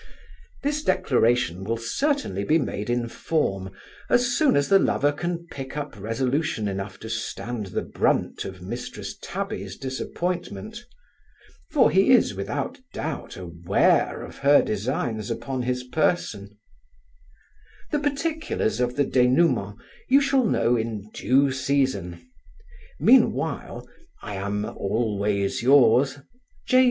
This declaration will certainly be made in form, as soon as the lover can pick up resolution enough to stand the brunt of Mrs Tabby's disappointment; for he is, without doubt, aware of her designs upon his person The particulars of the denouement you shall know in due season: mean while I am Always yours, J.